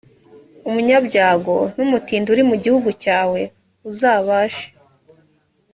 umunyabyago, n’umutindi uri mu gihugu cyawe uzabashe.